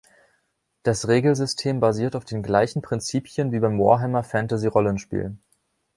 Das Regelsystem basiert auf den gleichen Prinzipien wie beim Warhammer-Fantasy-Rollenspiel.